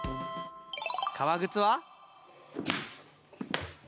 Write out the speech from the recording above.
革靴は。